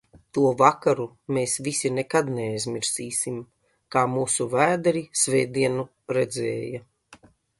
"To vakaru mēs visi nekad neaizmirsīsim, "kā mūsu vēderi svētdienu redzēja"."